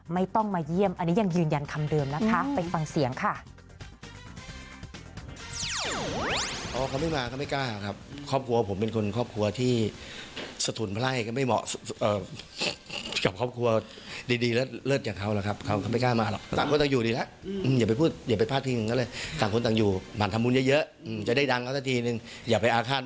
ไม่ต้องมาเยี่ยมอันนี้ยังยืนยันคำเดิมนะคะไปฟังเสียงค่ะ